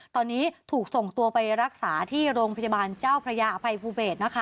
ตอนนี้ถูกส่งตัวไปรักษาที่โรงพยาบาลเจ้าพระยาอภัยภูเบศนะคะ